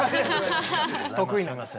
得意なんです。